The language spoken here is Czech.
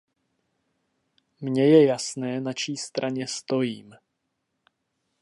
Mně je jasné, na čí straně stojím.